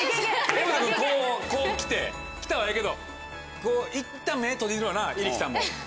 柄本君こう来て来たはええけどいったん目閉じるはな入来さんも。